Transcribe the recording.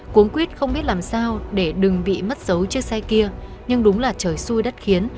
cuốn quyết không biết làm sao để đừng bị mất dấu chiếc xe kia nhưng đúng là trời xuôi đất khiến